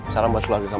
va va ga usah makenya